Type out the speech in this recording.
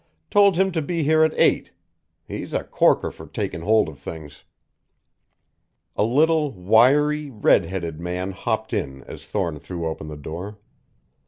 "Told him to be here at eight. He's a corker for taking hold of things." A little, wiry, red headed man hopped in as Thorne threw open the door.